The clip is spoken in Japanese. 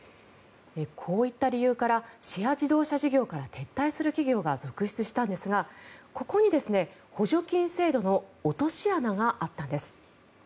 こういった理由からシェア自動車事業から撤退する企業が続出したんですがここに補助金制度の落とし穴があったんです。